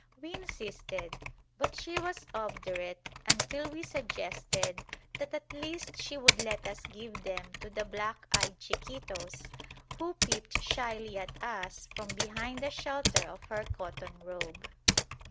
We insisted, but she was obdurate until we suggested that at least she would let us give them to the black eyed chiquitos who peeped shyly at us from behind the shelter of her cotton robe.